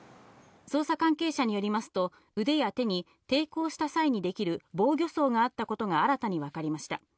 捜査関係者によりますと腕や手に抵抗した際にできる防御創があったことが新たに分かりました。